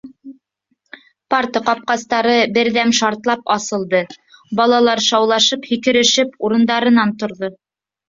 Парта ҡапҡастары берҙәм шартлап асылды: балалар шаулашып, һикерешеп урындарынан торҙо.